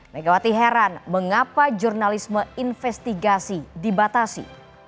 megawati heran mengapa jurnalisme investigasi dibatasi